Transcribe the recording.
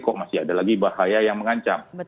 kok masih ada lagi bahaya yang mengancam